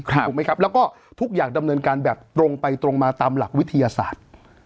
ถูกไหมครับแล้วก็ทุกอย่างดำเนินการแบบตรงไปตรงมาตามหลักวิทยาศาสตร์